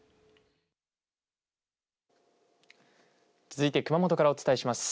続いて、熊本からお伝えします。